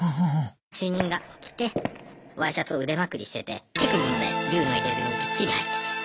主任が来てワイシャツを腕まくりしてて手首まで竜の入れ墨ビッチリ入ってて。